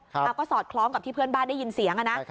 ก็สอดคล้องกับที่เพื่อนบ้านได้ยินเสียงนะ